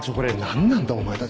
何なんだお前たちは。